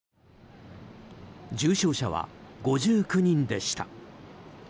重症者は５９人でした。